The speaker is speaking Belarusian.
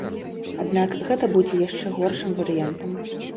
Аднак гэта будзе яшчэ горшым варыянтам.